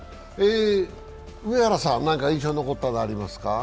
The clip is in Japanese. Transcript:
上原さん何か印象に残ったのありますか？